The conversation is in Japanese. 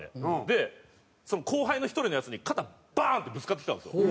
で後輩の１人のヤツに肩バーン！ってぶつかってきたんですよ。